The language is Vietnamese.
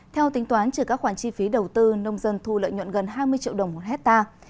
theo tính toán trừ các khoản chi phí đầu tư nông dân thu lợi nhuận gần hai mươi triệu đồng một hectare